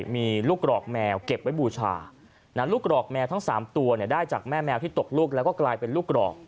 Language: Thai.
มีลูกกรอกแมวเก็บไว้บูชาลูกกรอกแมวทั้ง๓ตัวได้จากแม่แมวที่ตกลูกแล้วก็กลายเป็นลูกกรอก